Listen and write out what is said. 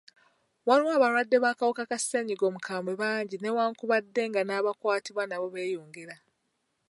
Waliwo abalwadde b'akawuka ka sennyiga omukambwe bangi newankubadde nga n'abakwatibwa nabo beyongera.